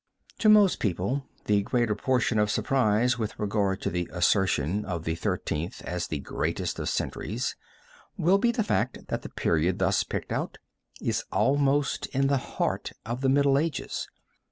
To most people the greater portion of surprise with regard to the assertion of the Thirteenth as the greatest of centuries will be the fact that the period thus picked out is almost in the heart of the Middle Ages.